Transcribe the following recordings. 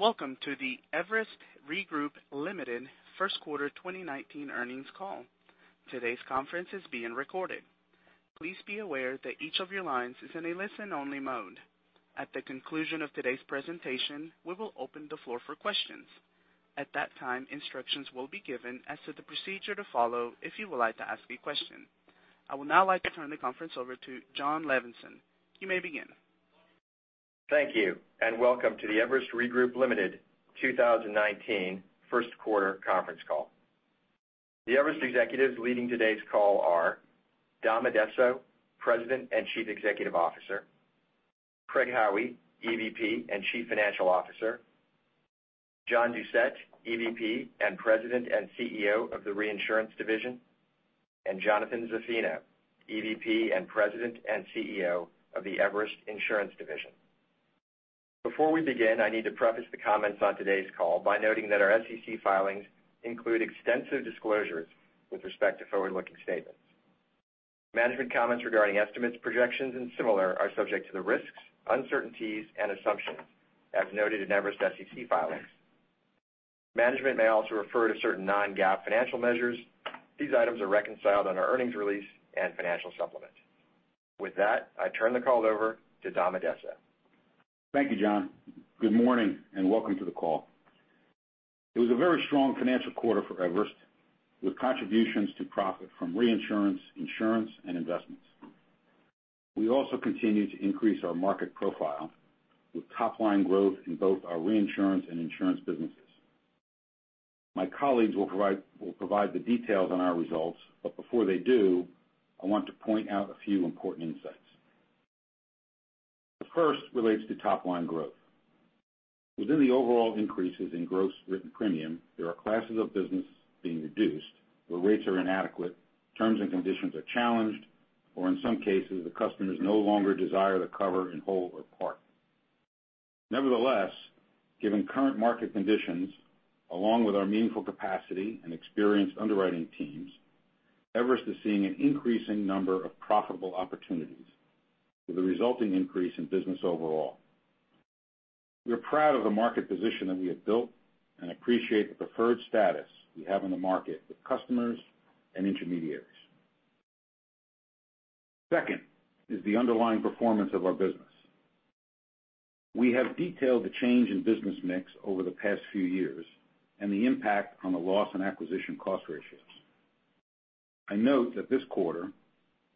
Day, welcome to the Everest Re Group, Ltd. First Quarter 2019 earnings call. Today's conference is being recorded. Please be aware that each of your lines is in a listen-only mode. At the conclusion of today's presentation, we will open the floor for questions. At that time, instructions will be given as to the procedure to follow if you would like to ask a question. I would now like to turn the conference over to Jon Levenson. You may begin. Thank you, welcome to the Everest Re Group, Ltd. 2019 first quarter conference call. The Everest executives leading today's call are Dominic Addesso, President and Chief Executive Officer, Craig Howie, EVP and Chief Financial Officer, John Doucette, EVP and President and CEO of the Reinsurance division, and Jonathan Zaffino, EVP and President and CEO of the Everest Insurance division. Before we begin, I need to preface the comments on today's call by noting that our SEC filings include extensive disclosures with respect to forward-looking statements. Management comments regarding estimates, projections, and similar are subject to the risks, uncertainties, and assumptions as noted in Everest SEC filings. Management may also refer to certain non-GAAP financial measures. These items are reconciled on our earnings release and financial supplement. With that, I turn the call over to Dominic Addesso. Thank you, Jon. Good morning, welcome to the call. It was a very strong financial quarter for Everest, with contributions to profit from reinsurance, insurance, and investments. We also continue to increase our market profile with top-line growth in both our reinsurance and insurance businesses. My colleagues will provide the details on our results, before they do, I want to point out a few important insights. The first relates to top-line growth. Within the overall increases in gross written premium, there are classes of business being reduced where rates are inadequate, terms and conditions are challenged, or in some cases, the customers no longer desire the cover in whole or part. Nevertheless, given current market conditions, along with our meaningful capacity and experienced underwriting teams, Everest is seeing an increasing number of profitable opportunities with a resulting increase in business overall. We are proud of the market position that we have built, appreciate the preferred status we have in the market with customers and intermediaries. Second is the underlying performance of our business. We have detailed the change in business mix over the past few years and the impact on the loss and acquisition cost ratios. I note that this quarter,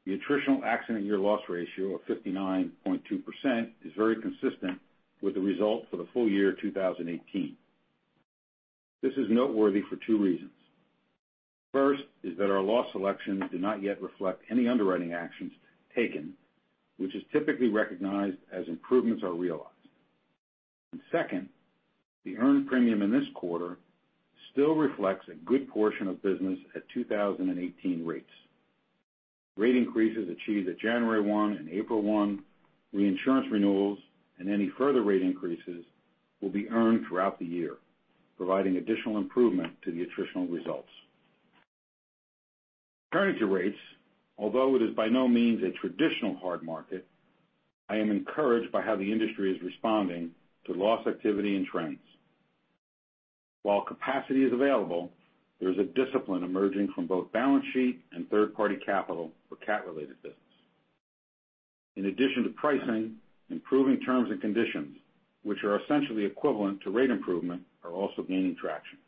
the attritional accident year loss ratio of 59.2% is very consistent with the result for the full year 2018. This is noteworthy for two reasons. First is that our loss selections do not yet reflect any underwriting actions taken, which is typically recognized as improvements are realized. Second, the earned premium in this quarter still reflects a good portion of business at 2018 rates. Rate increases achieved at January 1 and April 1, reinsurance renewals and any further rate increases will be earned throughout the year, providing additional improvement to the attritional results. Returning to rates, although it is by no means a traditional hard market, I am encouraged by how the industry is responding to loss activity and trends. While capacity is available, there is a discipline emerging from both balance sheet and third-party capital for cat-related business. In addition to pricing, improving terms and conditions, which are essentially equivalent to rate improvement, are also gaining traction.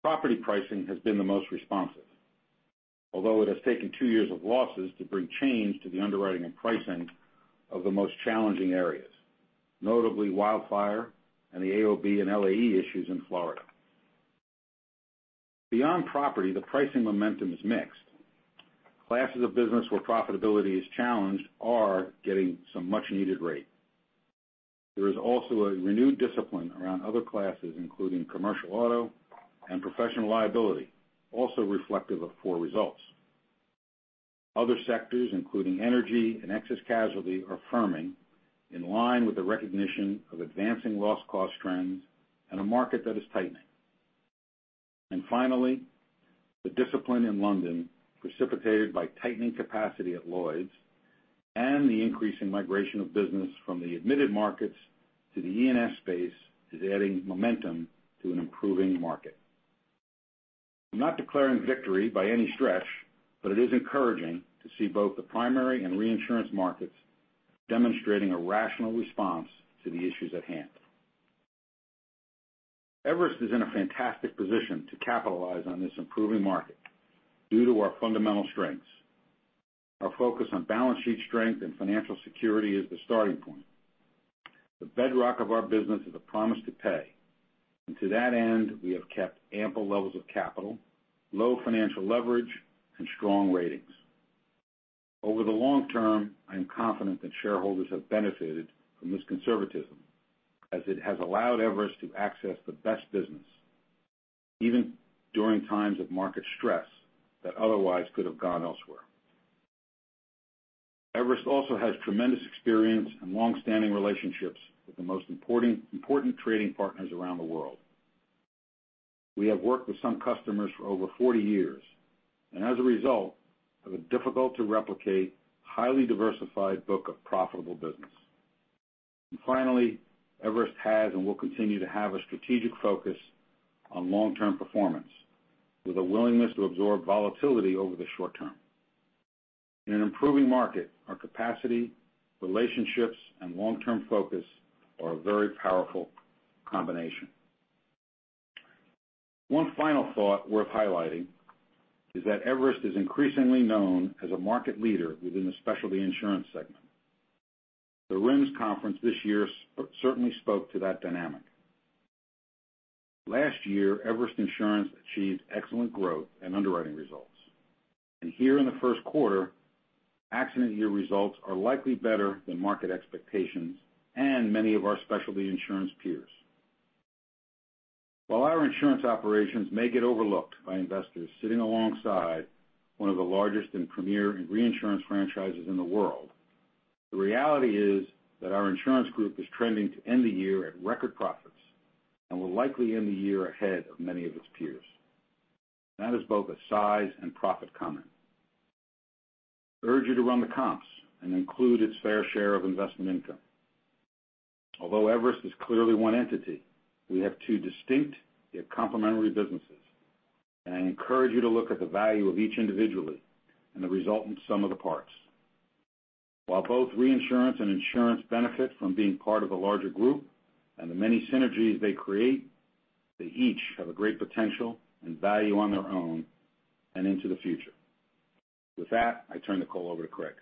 Property pricing has been the most responsive, although it has taken two years of losses to bring change to the underwriting and pricing of the most challenging areas, notably wildfire and the AOB and LAE issues in Florida. Beyond property, the pricing momentum is mixed. Classes of business where profitability is challenged are getting some much-needed rate. There is also a renewed discipline around other classes, including commercial auto and professional liability, also reflective of poor results. Other sectors, including energy and excess casualty, are firming in line with the recognition of advancing loss cost trends and a market that is tightening. Finally, the discipline in London, precipitated by tightening capacity at Lloyd's and the increase in migration of business from the admitted markets to the E&S space, is adding momentum to an improving market. I'm not declaring victory by any stretch, but it is encouraging to see both the primary and reinsurance markets demonstrating a rational response to the issues at hand. Everest is in a fantastic position to capitalize on this improving market due to our fundamental strengths. Our focus on balance sheet strength and financial security is the starting point. The bedrock of our business is a promise to pay. To that end, we have kept ample levels of capital, low financial leverage, and strong ratings. Over the long term, I am confident that shareholders have benefited from this conservatism, as it has allowed Everest to access the best business, even during times of market stress that otherwise could have gone elsewhere. Everest also has tremendous experience and long-standing relationships with the most important trading partners around the world. We have worked with some customers for over 40 years, and as a result, have a difficult-to-replicate, highly diversified book of profitable business. Finally, Everest has and will continue to have a strategic focus on long-term performance, with a willingness to absorb volatility over the short term. In an improving market, our capacity, relationships, and long-term focus are a very powerful combination. One final thought worth highlighting is that Everest is increasingly known as a market leader within the specialty insurance segment. The RIMS conference this year certainly spoke to that dynamic. Last year, Everest Insurance achieved excellent growth and underwriting results. Here in the first quarter, accident year results are likely better than market expectations and many of our specialty insurance peers. While our insurance operations may get overlooked by investors sitting alongside one of the largest and premier reinsurance franchises in the world, the reality is that our insurance group is trending to end the year at record profits and will likely end the year ahead of many of its peers. That is both a size and profit comment. I urge you to run the comps and include its fair share of investment income. Although Everest is clearly one entity, we have two distinct, yet complementary businesses. I encourage you to look at the value of each individually, and the resultant sum of the parts. While both reinsurance and insurance benefit from being part of a larger group and the many synergies they create, they each have a great potential and value on their own and into the future. With that, I turn the call over to Craig.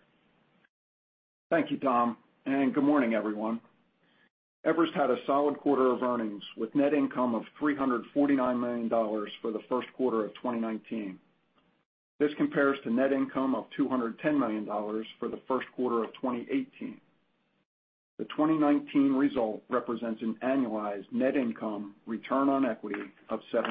Thank you, Dom, and good morning, everyone. Everest had a solid quarter of earnings, with net income of $349 million for the first quarter of 2019. This compares to net income of $210 million for the first quarter of 2018. The 2019 result represents an annualized net income return on equity of 17%.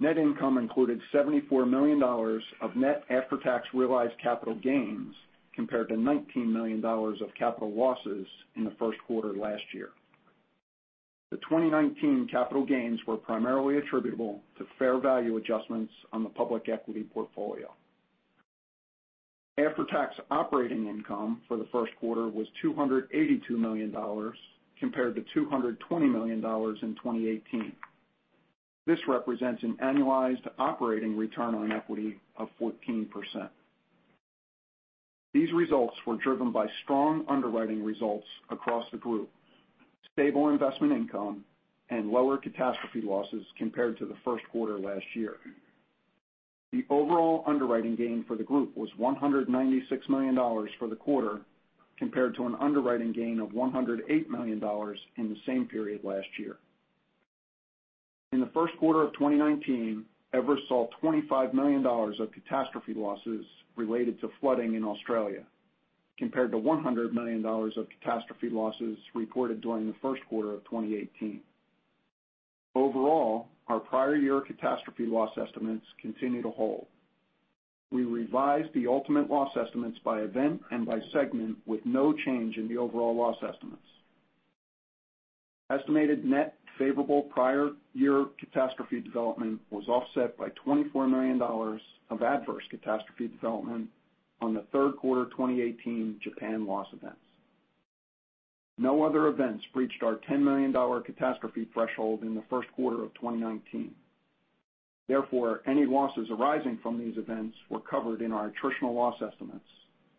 Net income included $74 million of net after-tax realized capital gains, compared to $19 million of capital losses in the first quarter last year. The 2019 capital gains were primarily attributable to fair value adjustments on the public equity portfolio. After-tax operating income for the first quarter was $282 million, compared to $220 million in 2018. This represents an annualized operating return on equity of 14%. These results were driven by strong underwriting results across the group, stable investment income, and lower catastrophe losses compared to the first quarter last year. The overall underwriting gain for the group was $196 million for the quarter, compared to an underwriting gain of $108 million in the same period last year. In the first quarter of 2019, Everest saw $25 million of catastrophe losses related to flooding in Australia, compared to $100 million of catastrophe losses reported during the first quarter of 2018. Overall, our prior year catastrophe loss estimates continue to hold. We revised the ultimate loss estimates by event and by segment with no change in the overall loss estimates. Estimated net favorable prior year catastrophe development was offset by $24 million of adverse catastrophe development on the third quarter 2018 Japan loss events. No other events breached our $10 million catastrophe threshold in the first quarter of 2019. Therefore, any losses arising from these events were covered in our attritional loss estimates,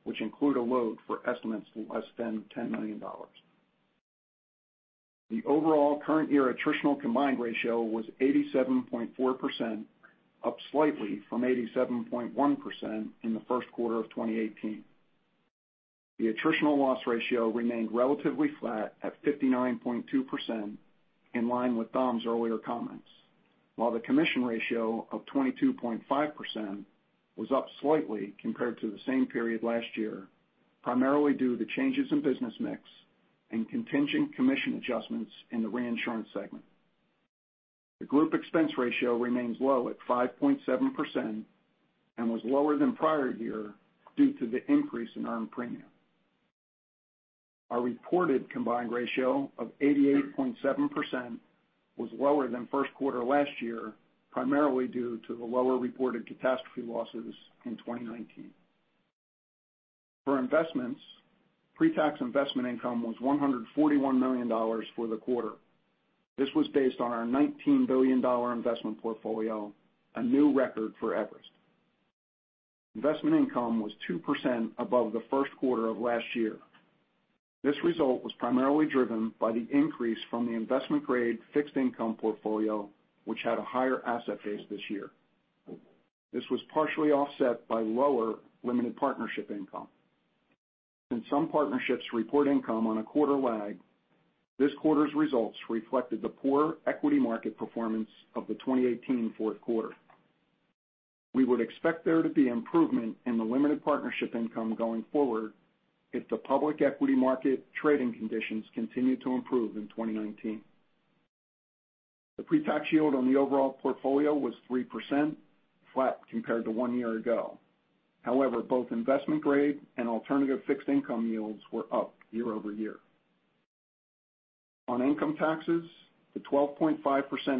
which include a load for estimates less than $10 million. The overall current year attritional combined ratio was 87.4%, up slightly from 87.1% in the first quarter of 2018. The attritional loss ratio remained relatively flat at 59.2%, in line with Dom's earlier comments, while the commission ratio of 22.5% was up slightly compared to the same period last year, primarily due to changes in business mix and contingent commission adjustments in the reinsurance segment. The group expense ratio remains low at 5.7% and was lower than prior year due to the increase in earned premium. Our reported combined ratio of 88.7% was lower than first quarter last year, primarily due to the lower reported catastrophe losses in 2019. For investments, pre-tax investment income was $141 million for the quarter. This was based on our $19 billion investment portfolio, a new record for Everest. Investment income was 2% above the first quarter of last year. This result was primarily driven by the increase from the investment-grade fixed income portfolio, which had a higher asset base this year. This was partially offset by lower limited partnership income. Since some partnerships report income on a quarter lag, this quarter's results reflected the poor equity market performance of the 2018 fourth quarter. We would expect there to be improvement in the limited partnership income going forward if the public equity market trading conditions continue to improve in 2019. The pre-tax yield on the overall portfolio was 3%, flat compared to one year ago. However, both investment grade and alternative fixed income yields were up year-over-year. On income taxes, the 12.5%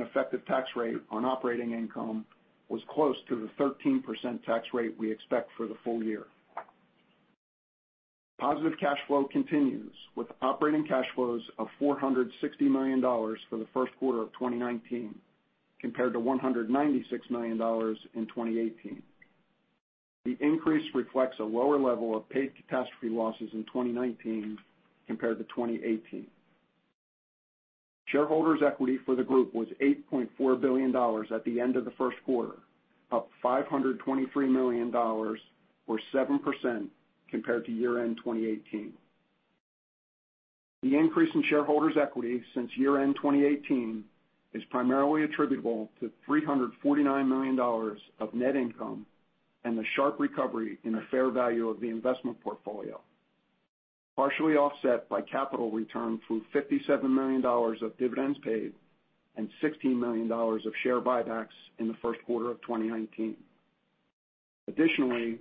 effective tax rate on operating income was close to the 13% tax rate we expect for the full year. Positive cash flow continues with operating cash flows of $460 million for the first quarter of 2019, compared to $196 million in 2018. The increase reflects a lower level of paid catastrophe losses in 2019 compared to 2018. Shareholders' equity for the group was $8.4 billion at the end of the first quarter, up $523 million, or 7%, compared to year-end 2018. The increase in shareholders' equity since year-end 2018 is primarily attributable to $349 million of net income and the sharp recovery in the fair value of the investment portfolio, partially offset by capital returns through $57 million of dividends paid and $16 million of share buybacks in the first quarter of 2019.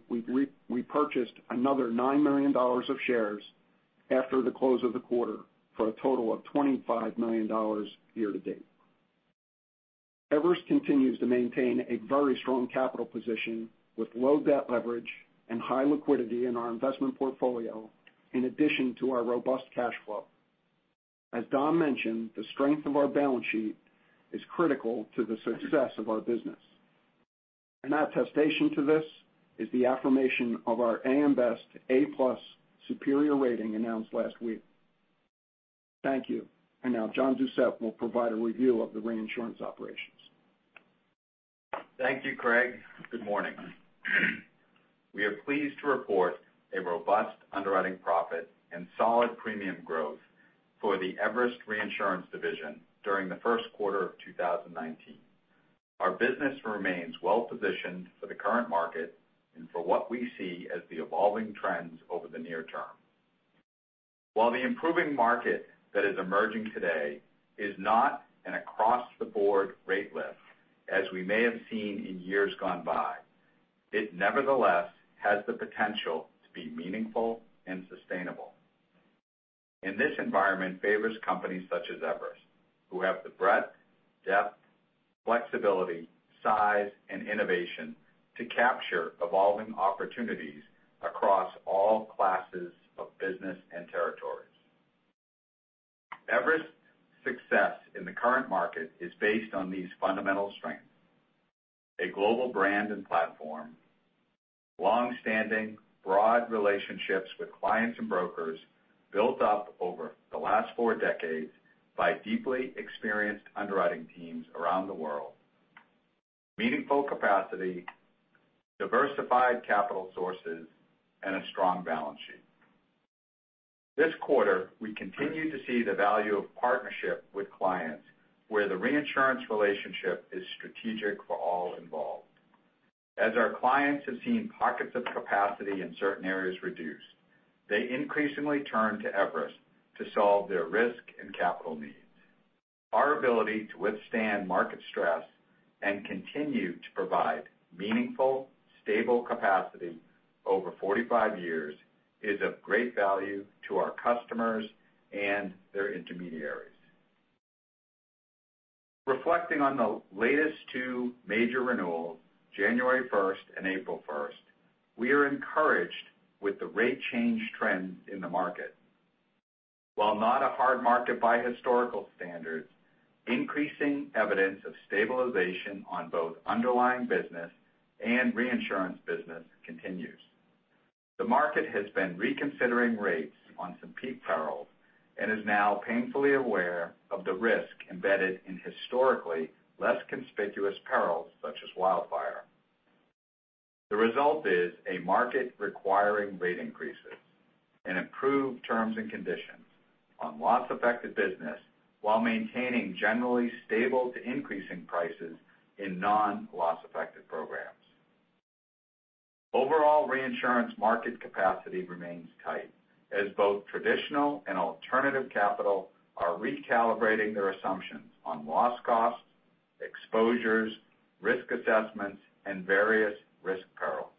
We repurchased another $9 million of shares after the close of the quarter, for a total of $25 million year to date. Everest continues to maintain a very strong capital position with low debt leverage and high liquidity in our investment portfolio, in addition to our robust cash flow. As Dom mentioned, the strength of our balance sheet is critical to the success of our business. An attestation to this is the affirmation of our AM Best A+ superior rating announced last week. Thank you. Now John Doucette will provide a review of the reinsurance operations. Thank you, Craig. Good morning. We are pleased to report a robust underwriting profit and solid premium growth for the Everest Reinsurance division during the first quarter of 2019. Our business remains well-positioned for the current market and for what we see as the evolving trends over the near term. While the improving market that is emerging today is not an across-the-board rate lift as we may have seen in years gone by, it nevertheless has the potential to be meaningful and sustainable. This environment favors companies such as Everest, who have the breadth, depth, flexibility, size, and innovation to capture evolving opportunities across all classes of business and territories. Everest's success in the current market is based on these fundamental strengths: a global brand and platform, longstanding broad relationships with clients and brokers built up over the last 4 decades by deeply experienced underwriting teams around the world, meaningful capacity, diversified capital sources, and a strong balance sheet. This quarter, we continue to see the value of partnership with clients where the reinsurance relationship is strategic for all involved. As our clients have seen pockets of capacity in certain areas reduced, they increasingly turn to Everest to solve their risk and capital needs. Our ability to withstand market stress and continue to provide meaningful, stable capacity over 45 years is of great value to our customers and their intermediaries. Reflecting on the latest two major renewals, January 1st and April 1st, we are encouraged with the rate change trends in the market. While not a hard market by historical standards, increasing evidence of stabilization on both underlying business and reinsurance business continues. The market has been reconsidering rates on some peak perils and is now painfully aware of the risk embedded in historically less conspicuous perils such as wildfire. The result is a market requiring rate increases and improved terms and conditions on loss-affected business while maintaining generally stable to increasing prices in non-loss-affected programs. Overall reinsurance market capacity remains tight as both traditional and alternative capital are recalibrating their assumptions on loss costs, exposures, risk assessments, and various risk peril,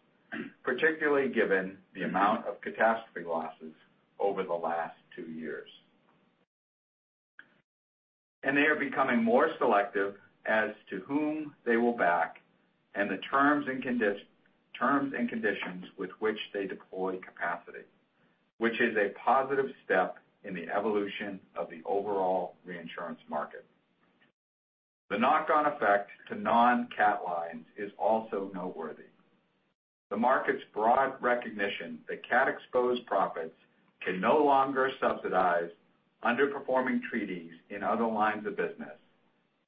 particularly given the amount of catastrophe losses over the last two years. They are becoming more selective as to whom they will back and the terms and conditions with which they deploy capacity, which is a positive step in the evolution of the overall reinsurance market. The knock-on effect to non-cat lines is also noteworthy. The market's broad recognition that cat-exposed profits can no longer subsidize underperforming treaties in other lines of business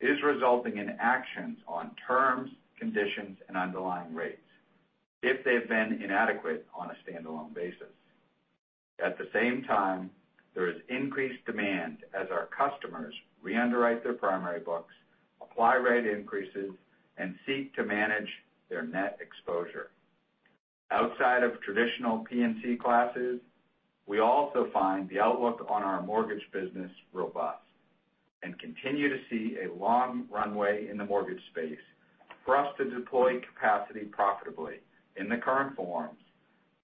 is resulting in actions on terms, conditions, and underlying rates if they've been inadequate on a standalone basis. At the same time, there is increased demand as our customers reunderwrite their primary books, apply rate increases, and seek to manage their net exposure. Outside of traditional P&C classes, we also find the outlook on our mortgage business robust. Continue to see a long runway in the mortgage space for us to deploy capacity profitably in the current forms,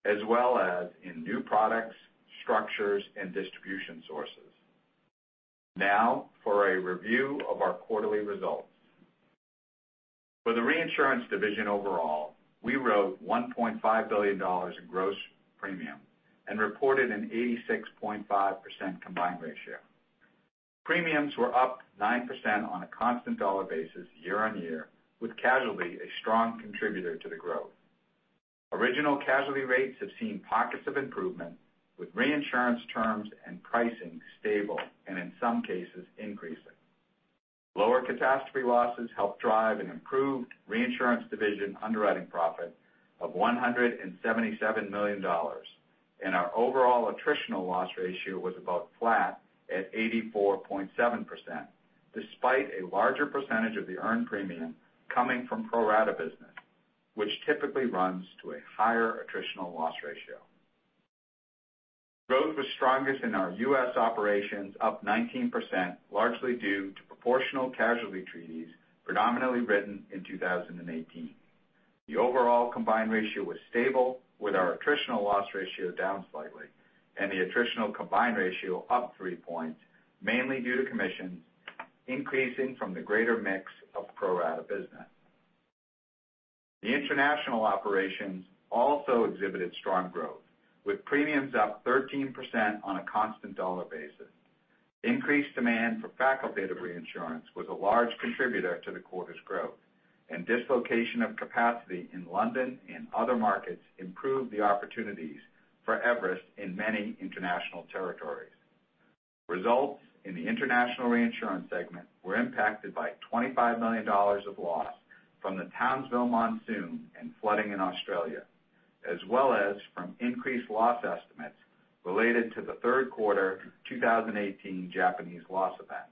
as well as in new products, structures, and distribution sources. Now for a review of our quarterly results. For the reinsurance division overall, we wrote $1.5 billion in gross premium and reported an 86.5% combined ratio. Premiums were up 9% on a constant dollar basis year-on-year, with casualty a strong contributor to the growth. Original casualty rates have seen pockets of improvement, with reinsurance terms and pricing stable, and in some cases increasing. Lower catastrophe losses helped drive an improved reinsurance division underwriting profit of $177 million, and our overall attritional loss ratio was about flat at 84.7%, despite a larger percentage of the earned premium coming from pro-rata business, which typically runs to a higher attritional loss ratio. Growth was strongest in our U.S. operations up 19%, largely due to proportional casualty treaties predominantly written in 2018. The overall combined ratio was stable, with our attritional loss ratio down slightly, and the attritional combined ratio up three points, mainly due to commissions increasing from the greater mix of pro-rata business. The international operations also exhibited strong growth, with premiums up 13% on a constant dollar basis. Increased demand for facultative reinsurance was a large contributor to the quarter's growth, and dislocation of capacity in London and other markets improved the opportunities for Everest in many international territories. Results in the international reinsurance segment were impacted by $25 million of loss from the Townsville monsoon and flooding in Australia, as well as from increased loss estimates related to the third quarter 2018 Japanese loss events.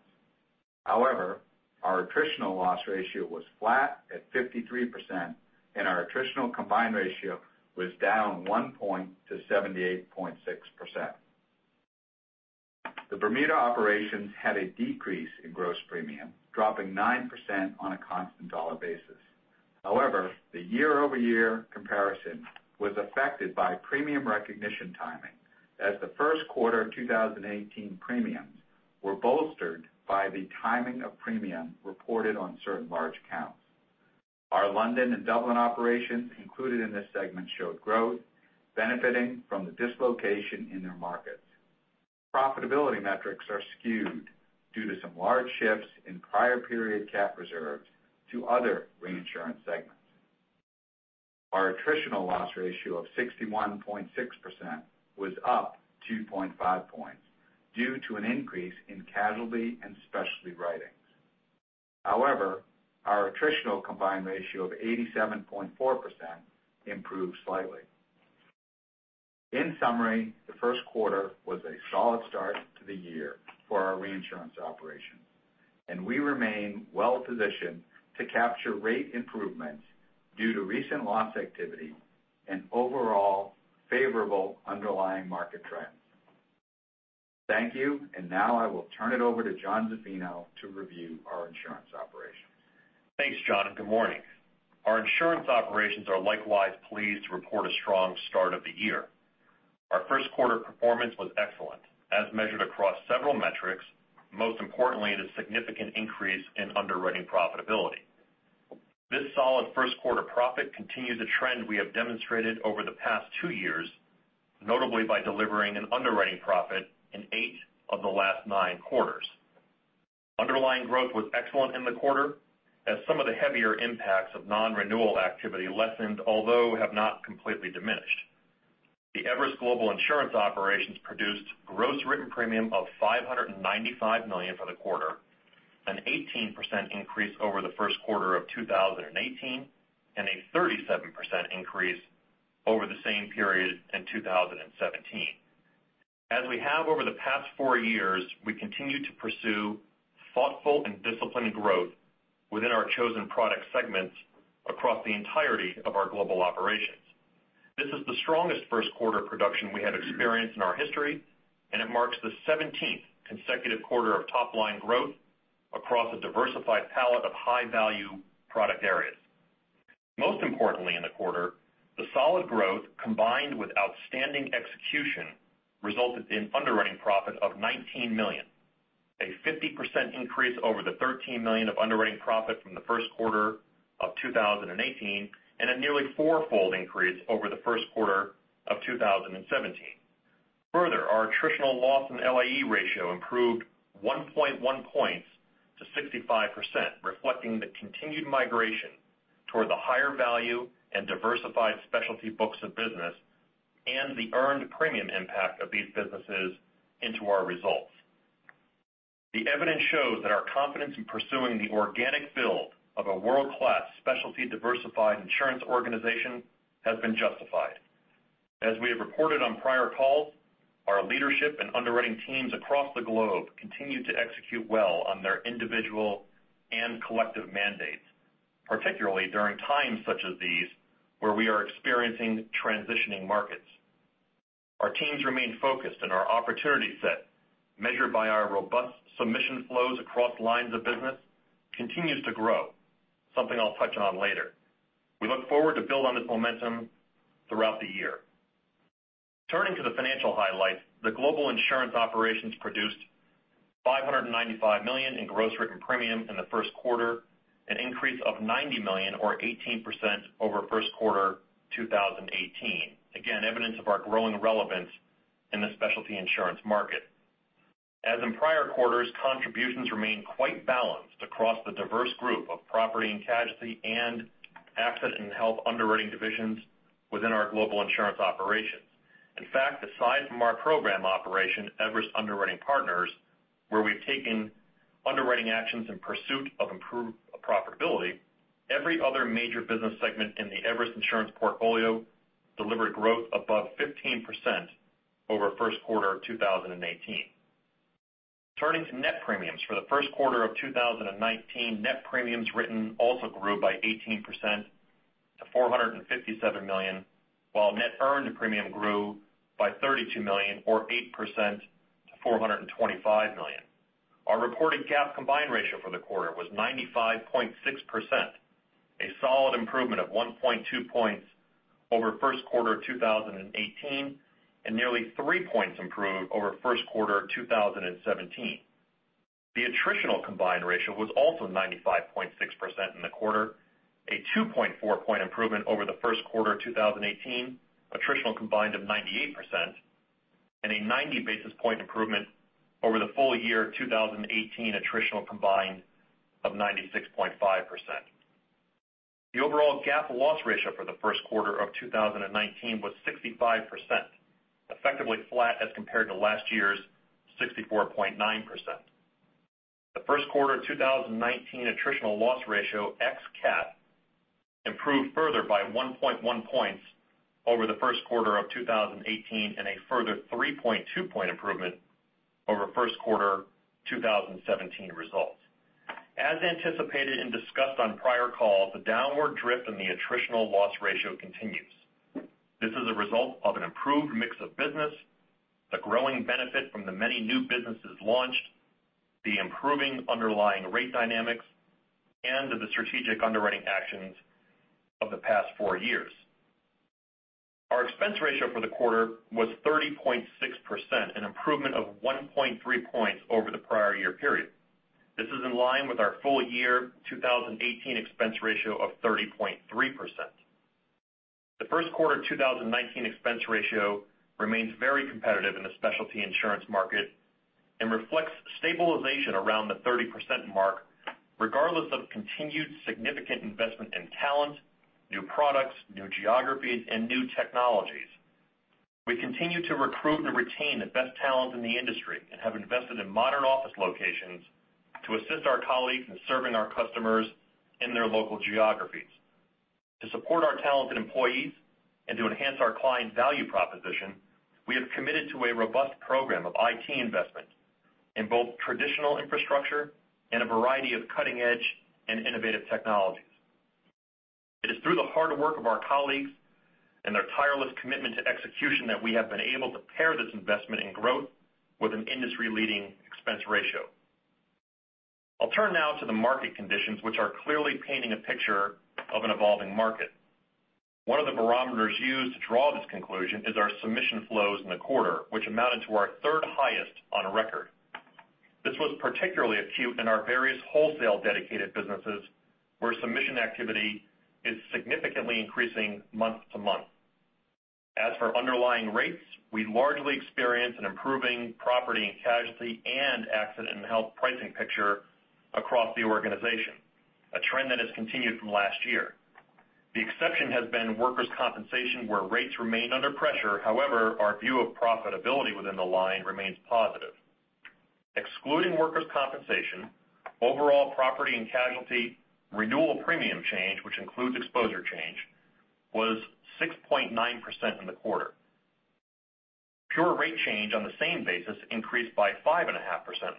However, our attritional loss ratio was flat at 53%, and our attritional combined ratio was down one point to 78.6%. The Bermuda operations had a decrease in gross premium, dropping 9% on a constant dollar basis. However, the year-over-year comparison was affected by premium recognition timing as the first quarter 2018 premiums were bolstered by the timing of premium reported on certain large accounts. Our London and Dublin operations included in this segment showed growth benefiting from the dislocation in their markets. Profitability metrics are skewed due to some large shifts in prior period cat reserves to other reinsurance segments. Our attritional loss ratio of 61.6% was up 2.5 points due to an increase in casualty and specialty writings. However, our attritional combined ratio of 87.4% improved slightly. In summary, the first quarter was a solid start to the year for our reinsurance operations, and we remain well-positioned to capture rate improvements due to recent loss activity and overall favorable underlying market trends. Thank you, and now I will turn it over to Jon Zaffino to review our insurance operations. Thanks, John. Good morning. Our Insurance operations are likewise pleased to report a strong start of the year. Our first quarter performance was excellent as measured across several metrics, most importantly, the significant increase in underwriting profitability. This solid first quarter profit continues a trend we have demonstrated over the past two years, notably by delivering an underwriting profit in eight of the last nine quarters. Underlying growth was excellent in the quarter as some of the heavier impacts of non-renewal activity lessened, although have not completely diminished. The Everest global Insurance operations produced gross written premium of $595 million for the quarter, an 18% increase over the first quarter of 2018, and a 37% increase over the same period in 2017. As we have over the past four years, we continue to pursue thoughtful and disciplined growth within our chosen product segments across the entirety of our global operations. This is the strongest first quarter production we have experienced in our history, and it marks the 17th consecutive quarter of top-line growth across a diversified palette of high-value product areas. Most importantly in the quarter, the solid growth, combined with outstanding execution, resulted in underwriting profit of $19 million, a 50% increase over the $13 million of underwriting profit from the first quarter of 2018, and a nearly four-fold increase over the first quarter of 2017. Further, our attritional loss and LAE ratio improved 1.1 points to 65%, reflecting the continued migration toward the higher value and diversified specialty books of business, and the earned premium impact of these businesses into our results. The evidence shows that our confidence in pursuing the organic build of a world-class specialty diversified insurance organization has been justified. As we have reported on prior calls, our leadership and underwriting teams across the globe continue to execute well on their individual and collective mandates, particularly during times such as these where we are experiencing transitioning markets. Our teams remain focused in our opportunity set, measured by our robust submission flows across lines of business continues to grow, something I'll touch on later. We look forward to build on this momentum throughout the year. Turning to the financial highlights, the global insurance operations produced $595 million in gross written premium in the first quarter, an increase of $90 million or 18% over first quarter 2018. Again, evidence of our growing relevance in the specialty insurance market. As in prior quarters, contributions remain quite balanced across the diverse group of property and casualty and accident and health underwriting divisions within our global insurance operations. In fact, aside from our program operation, Everest Underwriting Partners, where we've taken underwriting actions in pursuit of improved profitability, every other major business segment in the Everest Insurance portfolio delivered growth above 15% over first quarter 2018. Turning to net premiums. For the first quarter of 2019, net premiums written also grew by 18% to $457 million, while net earned premium grew by $32 million or 8% to $425 million. Our reported GAAP combined ratio for the quarter was 95.6%, a solid improvement of 1.2 points over first quarter of 2018 and nearly three points improved over first quarter of 2017. The attritional combined ratio was also 95.6% in the quarter, a 2.4 point improvement over the first quarter of 2018, attritional combined of 98%, and a 90 basis point improvement over the full year 2018 attritional combined of 96.5%. The overall GAAP loss ratio for the first quarter of 2019 was 65%, effectively flat as compared to last year's 64.9%. The first quarter 2019 attritional loss ratio ex cat improved further by 1.1 points over the first quarter of 2018 and a further 3.2 point improvement over first quarter 2017 results. As anticipated and discussed on prior calls, the downward drift in the attritional loss ratio continues. This is a result of an improved mix of business, the growing benefit from the many new businesses launched, the improving underlying rate dynamics, and the strategic underwriting actions of the past four years. Our expense ratio for the quarter was 30.6%, an improvement of 1.3 points over the prior year period. This is in line with our full year 2018 expense ratio of 30.3%. The first quarter 2019 expense ratio remains very competitive in the specialty insurance market and reflects stabilization around the 30% mark, regardless of continued significant investment in talent, new products, new geographies, and new technologies. We continue to recruit and retain the best talent in the industry and have invested in modern office locations to assist our colleagues in serving our customers in their local geographies. To support our talented employees and to enhance our client value proposition, we have committed to a robust program of IT investment in both traditional infrastructure and a variety of cutting-edge and innovative technologies. It is through the hard work of our colleagues and their tireless commitment to execution that we have been able to pair this investment in growth with an industry-leading expense ratio. I'll turn now to the market conditions, which are clearly painting a picture of an evolving market. One of the barometers used to draw this conclusion is our submission flows in the quarter, which amounted to our third highest on record. This was particularly acute in our various wholesale dedicated businesses, where submission activity is significantly increasing month to month. As for underlying rates, we largely experience an improving property and casualty and accident and health pricing picture across the organization, a trend that has continued from last year. The exception has been workers' compensation, where rates remain under pressure. However, our view of profitability within the line remains positive. Excluding workers' compensation, overall property and casualty renewal premium change, which includes exposure change, was 6.9% in the quarter. Pure rate change on the same basis increased by 5.5% in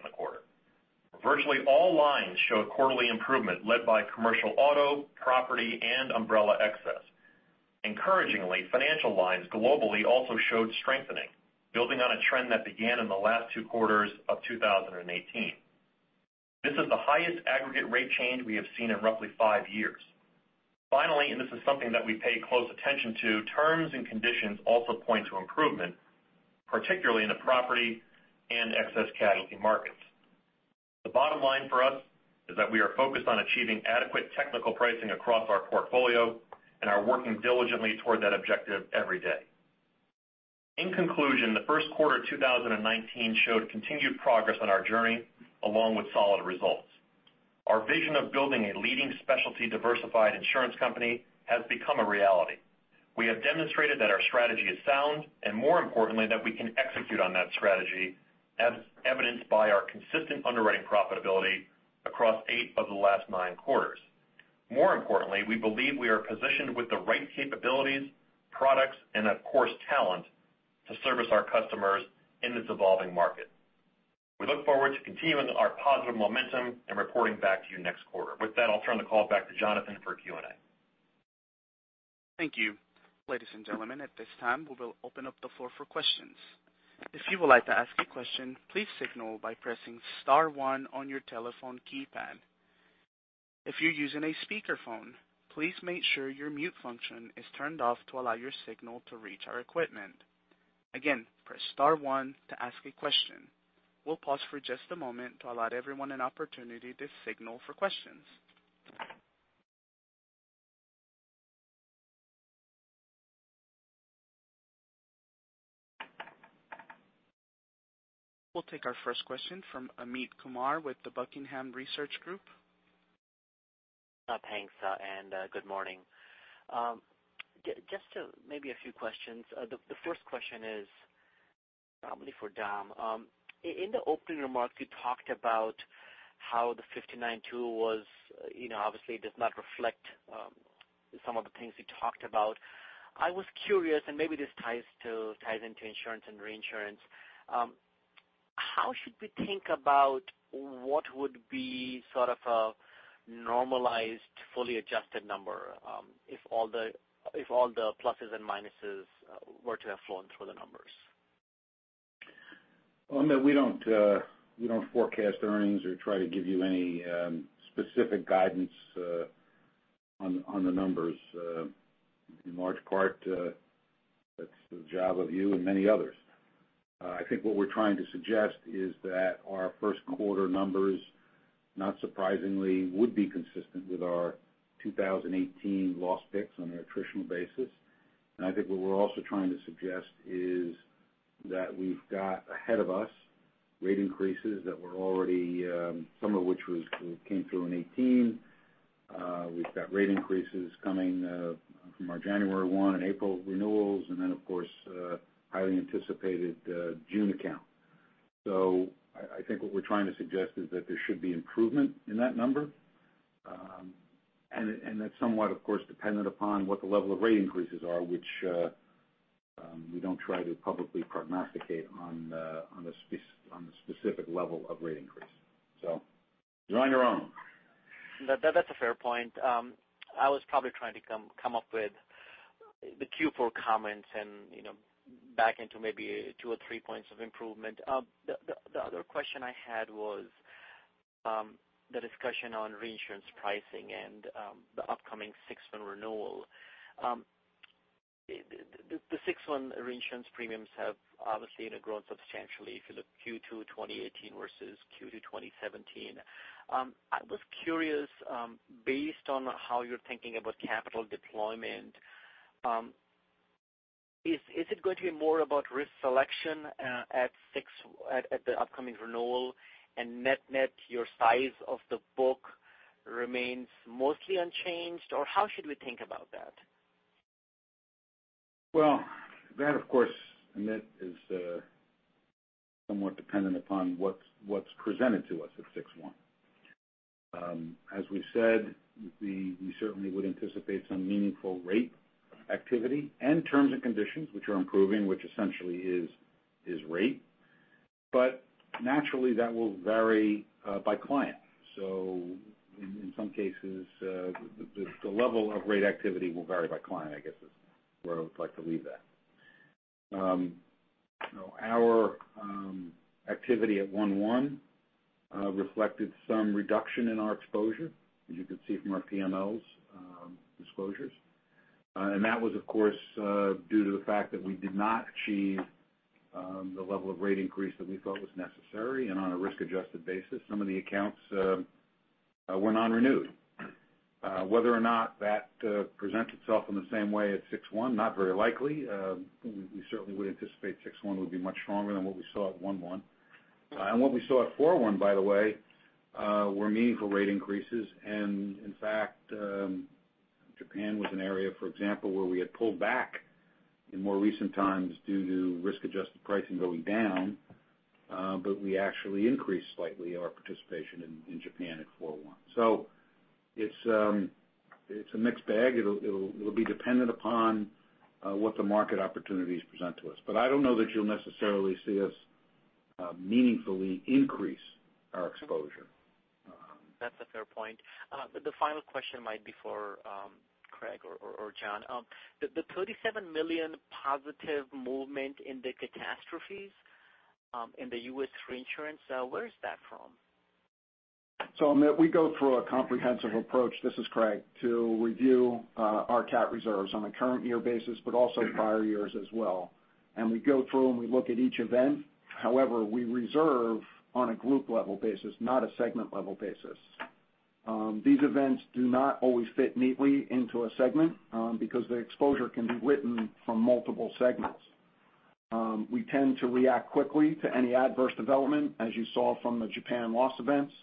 the quarter. Virtually all lines show a quarterly improvement led by commercial auto, property, and umbrella excess. Encouragingly, financial lines globally also showed strengthening, building on a trend that began in the last two quarters of 2018. This is the highest aggregate rate change we have seen in roughly five years. Finally, terms and conditions also point to improvement, particularly in the property and excess casualty markets. The bottom line for us is that we are focused on achieving adequate technical pricing across our portfolio and are working diligently toward that objective every day. In conclusion, the first quarter 2019 showed continued progress on our journey along with solid results. Our vision of building a leading specialty diversified insurance company has become a reality. We have demonstrated that our strategy is sound, and more importantly, that we can execute on that strategy as evidenced by our consistent underwriting profitability across eight of the last nine quarters. More importantly, we believe we are positioned with the right capabilities, products, and of course, talent to service our customers in this evolving market. We look forward to continuing our positive momentum and reporting back to you next quarter. With that, I'll turn the call back to Jonathan for Q&A. Thank you. Ladies and gentlemen, at this time, we will open up the floor for questions. If you would like to ask a question, please signal by pressing star one on your telephone keypad. If you're using a speakerphone, please make sure your mute function is turned off to allow your signal to reach our equipment. Again, press star one to ask a question. We'll pause for just a moment to allow everyone an opportunity to signal for questions. We'll take our first question from Amit Kumar with The Buckingham Research Group. Thanks. Good morning. Just maybe a few questions. The first question is probably for Dom. In the opening remarks, you talked about how the 592 obviously does not reflect some of the things you talked about. I was curious, maybe this ties into insurance and reinsurance. How should we think about what would be sort of a normalized, fully adjusted number, if all the pluses and minuses were to have flown through the numbers? Amit, we don't forecast earnings or try to give you any specific guidance on the numbers. In large part, that's the job of you and many others. I think what we're trying to suggest is that our first quarter numbers, not surprisingly, would be consistent with our 2018 loss picks on an attritional basis. I think what we're also trying to suggest is that we've got ahead of us rate increases that some of which came through in 2018. We've got rate increases coming from our January 1 and April renewals, then of course highly anticipated June account. I think what we're trying to suggest is that there should be improvement in that number. That's somewhat, of course, dependent upon what the level of rate increases are, which we don't try to publicly prognosticate on the specific level of rate increase. You're on your own. That's a fair point. I was probably trying to come up with the Q4 comments and back into maybe two or three points of improvement. The other question I had was the discussion on reinsurance pricing and the upcoming 6/1 renewal. The 6/1 reinsurance premiums have obviously grown substantially if you look Q2 2018 versus Q2 2017. I was curious, based on how you're thinking about capital deployment, is it going to be more about risk selection at the upcoming renewal and net-net your size of the book remains mostly unchanged? Or how should we think about that? Well, that, of course, Amit, is somewhat dependent upon what's presented to us at 6/1. As we said, we certainly would anticipate some meaningful rate activity and terms and conditions which are improving, which essentially is rate. Naturally, that will vary by client. In some cases, the level of rate activity will vary by client, I guess, is where I would like to leave that. Our activity at 1/1 reflected some reduction in our exposure, as you can see from our PMLs disclosures. That was, of course, due to the fact that we did not achieve the level of rate increase that we felt was necessary, and on a risk-adjusted basis, some of the accounts were non-renewed. Whether or not that presents itself in the same way at 6/1, not very likely. We certainly would anticipate 6/1 would be much stronger than what we saw at 1/1. What we saw at 4/1, by the way, were meaningful rate increases. In fact, Japan was an area, for example, where we had pulled back in more recent times due to risk-adjusted pricing going down. We actually increased slightly our participation in Japan at 4/1. It's a mixed bag. It'll be dependent upon what the market opportunities present to us. I don't know that you'll necessarily see us meaningfully increase our exposure. That's a fair point. The final question might be for Craig or John. The $37 million positive movement in the catastrophes in the U.S. reinsurance, where is that from? Amit, we go through a comprehensive approach, this is Craig, to review our cat reserves on a current year basis, but also prior years as well. We go through and we look at each event. However, we reserve on a group level basis, not a segment level basis. These events do not always fit neatly into a segment because the exposure can be written from multiple segments. We tend to react quickly to any adverse development, as you saw from the Japan loss events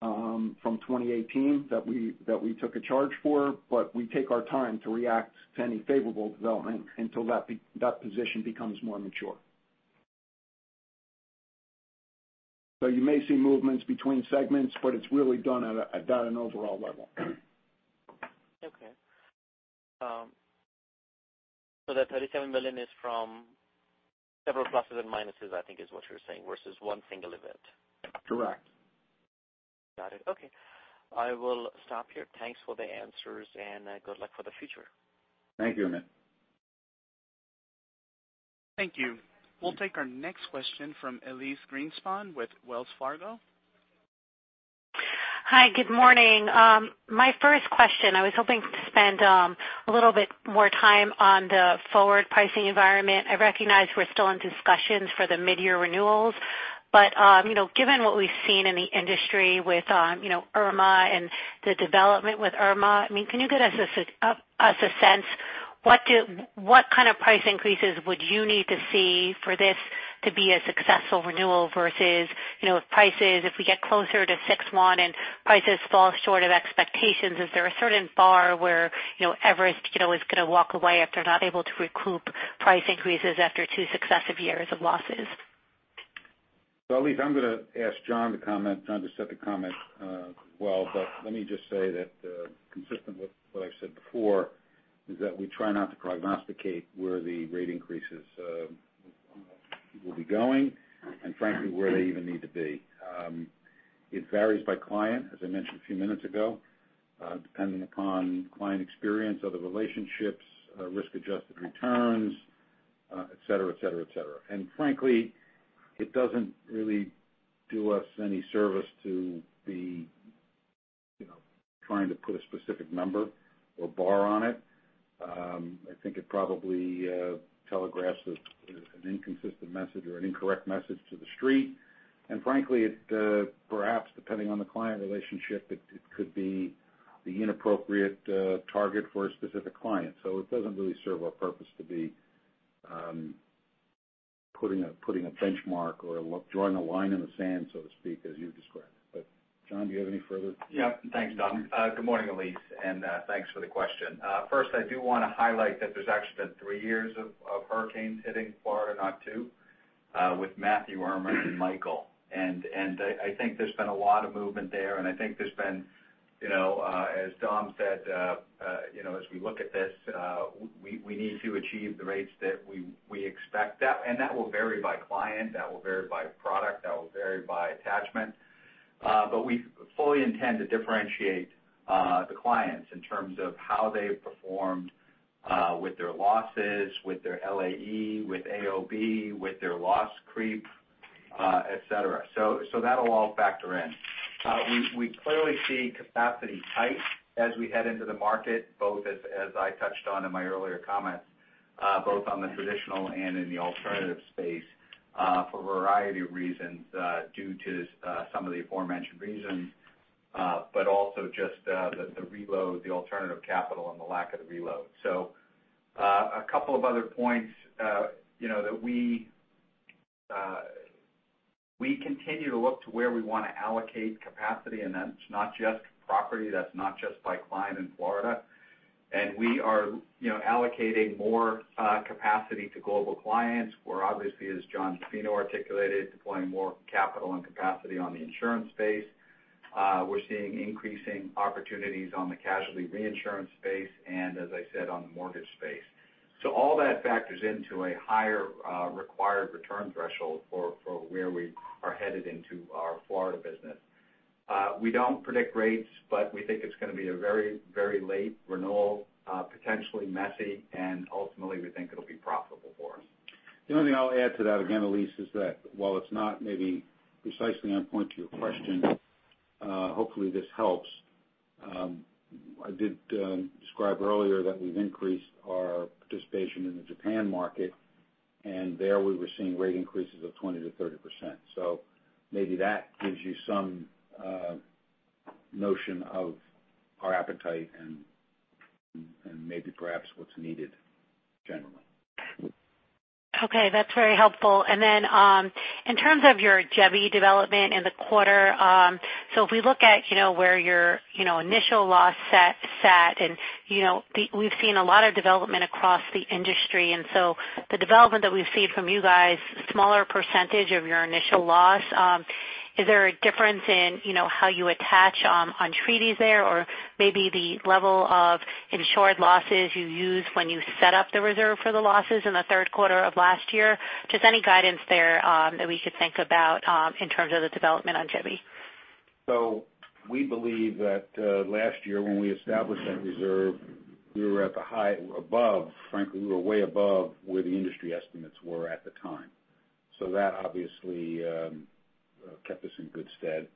from 2018 that we took a charge for, we take our time to react to any favorable development until that position becomes more mature. You may see movements between segments, but it's really done at an overall level. Okay. The $37 million is from several pluses and minuses, I think is what you're saying, versus one single event. Correct. Got it. Okay. I will stop here. Thanks for the answers and good luck for the future. Thank you, Amit. Thank you. We'll take our next question from Elyse Greenspan with Wells Fargo. Hi, good morning. My first question, I was hoping to spend a little bit more time on the forward pricing environment. I recognize we're still in discussions for the mid-year renewals. Given what we've seen in the industry with Irma and the development with Irma, can you give us a sense, what kind of price increases would you need to see for this to be a successful renewal versus if prices, if we get closer to 6/1 and prices fall short of expectations, is there a certain bar where Everest is going to walk away if they're not able to recoup price increases after two successive years of losses? Elyse, I'm going to ask John to comment. John just said to comment as well. Let me just say that, consistent with what I've said before, is that we try not to prognosticate where the rate increases will be going and frankly, where they even need to be. It varies by client, as I mentioned a few minutes ago, depending upon client experience, other relationships, risk-adjusted returns, et cetera. Frankly, it doesn't really do us any service to be trying to put a specific number or bar on it. I think it probably telegraphs an inconsistent message or an incorrect message to the street. Frankly, perhaps depending on the client relationship, it could be the inappropriate target for a specific client. It doesn't really serve a purpose to be putting a benchmark or drawing a line in the sand, so to speak, as you described. John, do you have any further? Yeah. Thanks, Dom. Good morning, Elyse, and thanks for the question. First, I do want to highlight that there's actually been three years of hurricanes hitting Florida, not two, with Matthew, Irma, and Michael. I think there's been a lot of movement there, and I think there's been, as Dom said, as we look at this, we need to achieve the rates that we expect. That will vary by client, that will vary by product, that will vary by attachment. We fully intend to differentiate the clients in terms of how they've performed with their losses, with their LAE, with AOB, with their loss creep, et cetera. That'll all factor in. We clearly see capacity tight as we head into the market, both as I touched on in my earlier comments, both on the traditional and in the alternative space, for a variety of reasons due to some of the aforementioned reasons, but also just the reload, the alternative capital, and the lack of the reload. A couple of other points. We continue to look to where we want to allocate capacity, and that's not just property, that's not just by client in Florida. We are allocating more capacity to global clients. We're obviously, as Jonathan Zaffino articulated, deploying more capital and capacity on the insurance space. We're seeing increasing opportunities on the casualty reinsurance space and as I said, on the mortgage space. All that factors into a higher required return threshold for where we are headed into our Florida business. We don't predict rates, but we think it's going to be a very late renewal, potentially messy, and ultimately, we think it'll be profitable for us. The only thing I'll add to that, again, Elyse, is that while it's not maybe precisely on point to your question, hopefully this helps. I did describe earlier that we've increased our participation in the Japan market, and there we were seeing rate increases of 20%-30%. Maybe that gives you some notion of our appetite and maybe perhaps what's needed generally. Okay, that's very helpful. Then, in terms of your Jebi development in the quarter, if we look at where your initial loss sat, and we've seen a lot of development across the industry, the development that we've seen from you guys, a smaller percentage of your initial loss, is there a difference in how you attach on treaties there or maybe the level of insured losses you use when you set up the reserve for the losses in the third quarter of last year? Just any guidance there that we should think about in terms of the development on Jebi. We believe that last year when we established that reserve, we were at the high above, frankly, we were way above where the industry estimates were at the time. That obviously kept us in good stead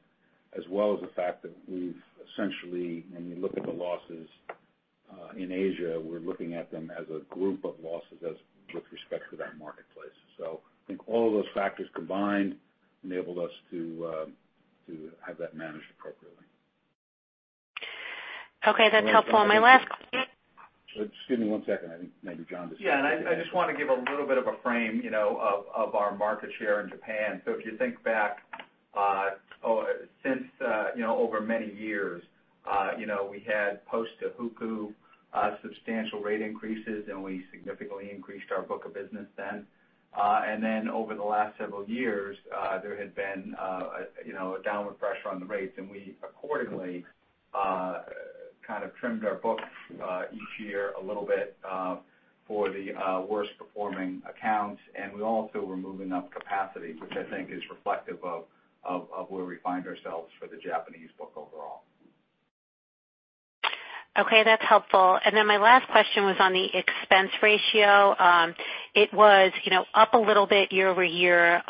as well as the fact that we've essentially, when you look at the losses in Asia, we're looking at them as a group of losses as with respect to that marketplace. I think all of those factors combined enabled us to have that managed appropriately. Okay. That's helpful. My last- Just give me one second. I think maybe John just- Yeah, I just want to give a little bit of a frame of our market share in Japan. If you think back over many years, we had post Tohoku substantial rate increases. We significantly increased our book of business then. Over the last several years, there had been a downward pressure on the rates. We accordingly kind of trimmed our books each year a little bit for the worst-performing accounts. We also were moving up capacity, which I think is reflective of where we find ourselves for the Japanese book overall. That's helpful. My last question was on the expense ratio. It was up a little bit year-over-year.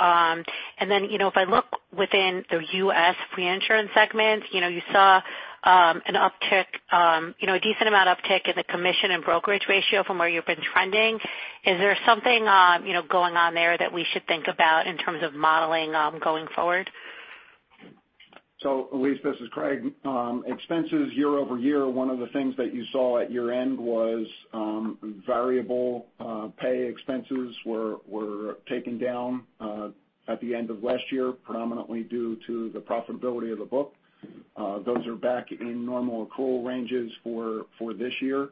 If I look within the U.S. reinsurance segment, you saw an uptick, a decent amount uptick in the commission and brokerage ratio from where you've been trending. Is there something going on there that we should think about in terms of modeling going forward? Elyse, this is Craig. Expenses year-over-year, one of the things that you saw at year-end was variable pay expenses were taken down at the end of last year, predominantly due to the profitability of the book. Those are back in normal accrual ranges for this year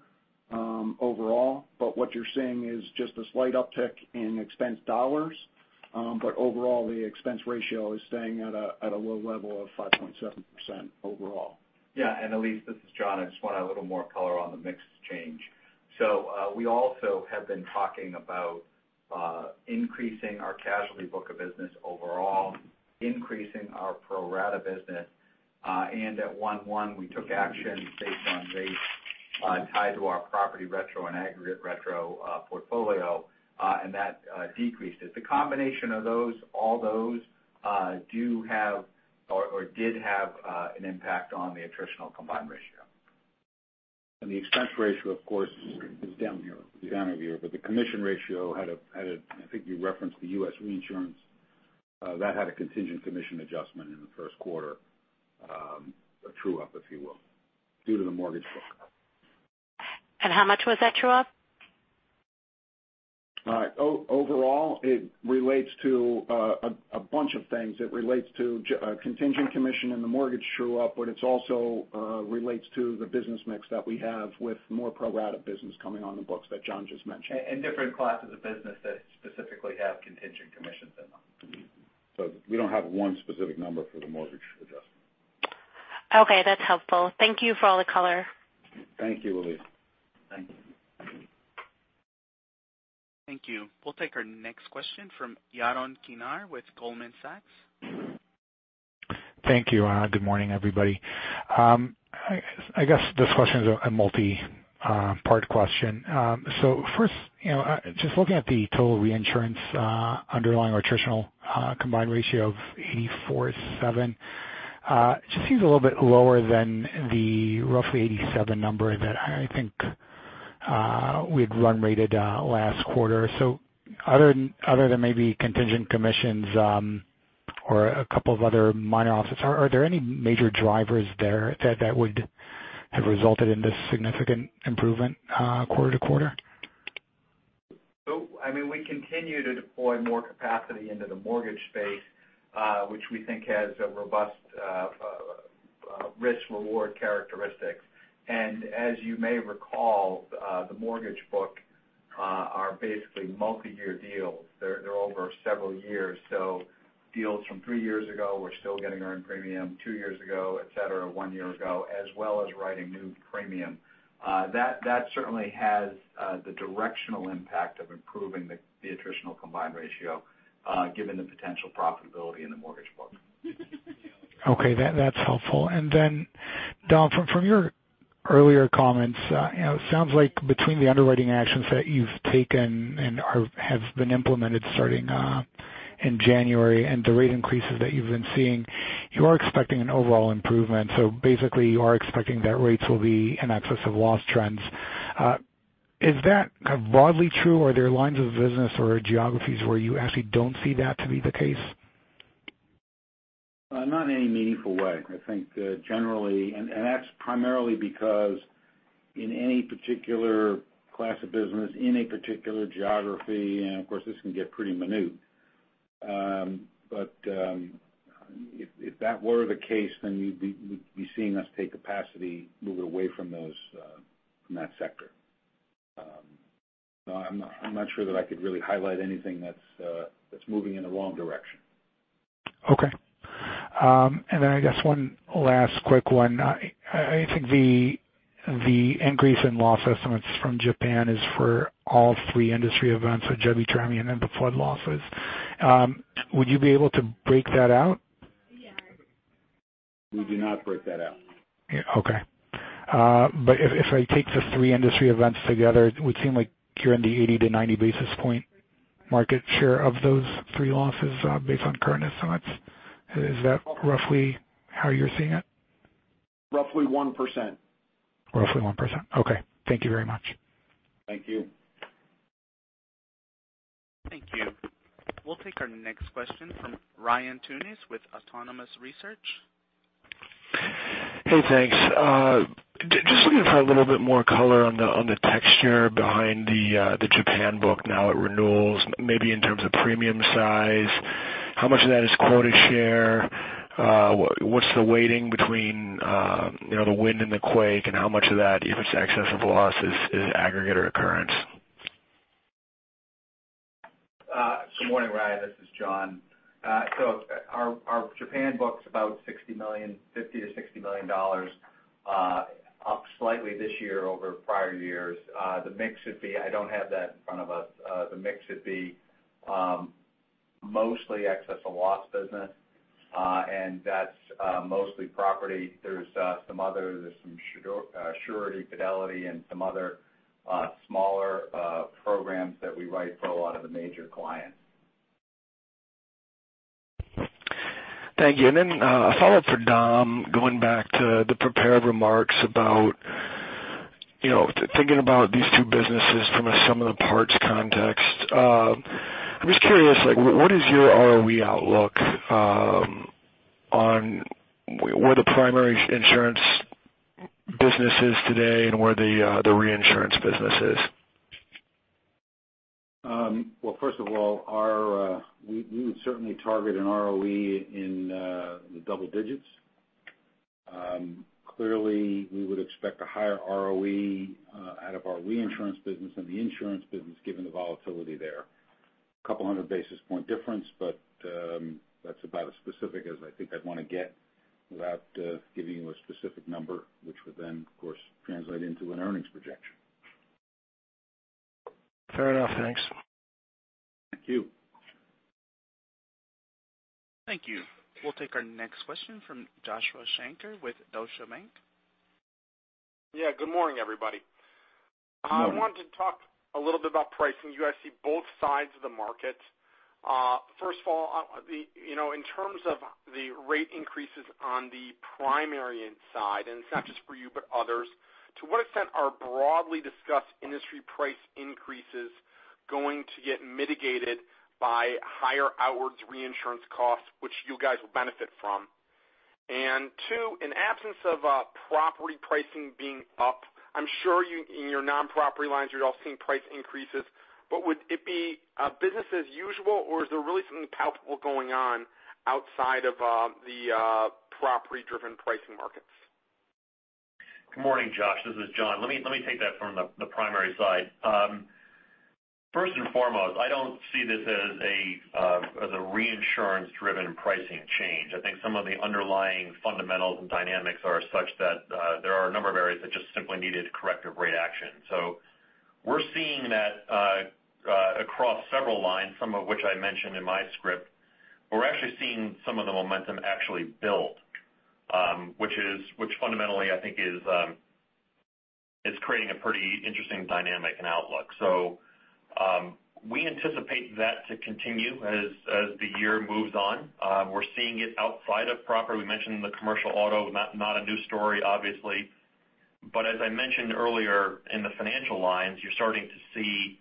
overall. What you're seeing is just a slight uptick in expense dollars. Overall, the expense ratio is staying at a low level of 5.7% overall. Elyse, this is John. I just want to add a little more color on the mix change. We also have been talking about increasing our casualty book of business overall, increasing our pro-rata business. At one-one, we took action based on rates tied to our property retrocession and aggregate retrocession portfolio, and that decreased it. The combination of those, all those do have, or did have an impact on the attritional combined ratio. The expense ratio, of course, is down year-over-year. The commission ratio had a, I think you referenced the U.S. reinsurance, that had a contingent commission adjustment in the first quarter, a true-up if you will, due to the mortgage book. How much was that true-up? Overall, it relates to a bunch of things. It relates to contingent commission in the mortgage true-up, it also relates to the business mix that we have with more pro-rata business coming on the books that John just mentioned. Different classes of business that specifically have contingent commissions in them. We don't have one specific number for the mortgage adjustment. Okay, that's helpful. Thank you for all the color. Thank you, Elyse. Thank you. Thank you. We'll take our next question from Yaron Kinar with Goldman Sachs. Thank you. Good morning, everybody. I guess this question is a multi-part question. First, just looking at the total reinsurance underlying or attritional combined ratio of 84.7, just seems a little bit lower than the roughly 87 number that I think we'd run rated last quarter. Other than maybe contingent commissions or a couple of other minor offsets, are there any major drivers there that would have resulted in this significant improvement quarter-to-quarter? We continue to deploy more capacity into the mortgage space, which we think has a robust risk-reward characteristic. As you may recall, the mortgage book are basically multi-year deals. They're over several years. Deals from three years ago, we're still getting earned premium, two years ago, et cetera, one year ago, as well as writing new premium. That certainly has the directional impact of improving the attritional combined ratio, given the potential profitability in the mortgage book. Okay. That's helpful. Then, Dom, from your earlier comments, it sounds like between the underwriting actions that you've taken and have been implemented starting in January and the rate increases that you've been seeing, you are expecting an overall improvement. Basically, you are expecting that rates will be in excess of loss trends. Is that broadly true, or there are lines of business or geographies where you actually don't see that to be the case? Not in any meaningful way. I think generally, and that's primarily because in any particular class of business, in a particular geography, and of course, this can get pretty minute. If that were the case, then you'd be seeing us take capacity, move it away from that sector. No, I'm not sure that I could really highlight anything that's moving in the wrong direction. Okay. Then I guess one last quick one. I think the increase in loss estimates from Japan is for all 3 industry events, so Jebi, Trami, and then the flood losses. Would you be able to break that out? We do not break that out. Yeah. Okay. If I take the 3 industry events together, it would seem like you're in the 80 to 90 basis point market share of those 3 losses based on current estimates. Is that roughly how you're seeing it? Roughly 1%. Roughly 1%. Okay. Thank you very much. Thank you. Thank you. We'll take our next question from Ryan Tunis with Autonomous Research. Hey, thanks. Just looking for a little bit more color on the texture behind the Japan book now at renewals, maybe in terms of premium size. How much of that is quota share? What's the weighting between the wind and the quake, how much of that, if it's excess of loss, is aggregate or occurrence? Good morning, Ryan. This is Jon. Our Japan book's about $50 million-$60 million, up slightly this year over prior years. The mix should be, I don't have that in front of us. The mix should be mostly excess of loss business, and that's mostly property. There's some other, there's some surety, fidelity, and some other smaller programs that we write for a lot of the major clients. Thank you. A follow-up for Dom, going back to the prepared remarks about thinking about these two businesses from a sum of the parts context. I'm just curious, what is your ROE outlook on where the primary insurance business is today and where the reinsurance business is? Well, first of all, we would certainly target an ROE in the double digits. Clearly, we would expect a higher ROE out of our reinsurance business than the insurance business, given the volatility there. A couple 100 basis point difference, but that's about as specific as I think I'd want to get without giving you a specific number, which would then, of course, translate into an earnings projection. Fair enough. Thanks. Thank you. Thank you. We'll take our next question from Joshua Shanker with Deutsche Bank. Yeah. Good morning, everybody. I wanted to talk a little bit about pricing. You guys see both sides of the market. First of all, in terms of the rate increases on the primary side, and it's not just for you, but others, to what extent are broadly discussed industry price increases going to get mitigated by higher outwards reinsurance costs, which you guys will benefit from? Two, in absence of property pricing being up, I'm sure you, in your non-property lines, you're all seeing price increases, but would it be business as usual, or is there really something palpable going on outside of the property-driven pricing markets? Good morning, Josh. This is Jon. Let me take that from the primary side. First and foremost, I don't see this as a reinsurance-driven pricing change. I think some of the underlying fundamentals and dynamics are such that there are a number of areas that just simply needed corrective rate action. We're seeing that across several lines, some of which I mentioned in my script. We're actually seeing some of the momentum actually build, which fundamentally I think is creating a pretty interesting dynamic and outlook. We anticipate that to continue as the year moves on. We're seeing it outside of property. We mentioned the commercial auto, not a new story, obviously. As I mentioned earlier, in the financial lines, you're starting to see,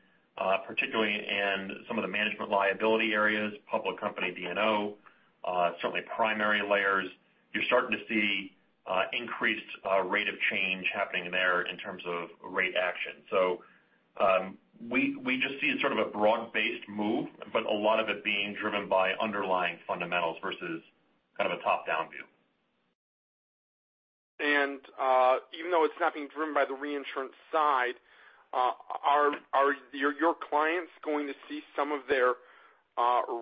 particularly in some of the management liability areas, public company D&O, certainly primary layers, you're starting to see increased rate of change happening there in terms of rate action. We just see sort of a broad-based move, but a lot of it being driven by underlying fundamentals versus kind of a top-down view. Even though it's not being driven by the reinsurance side, are your clients going to see some of their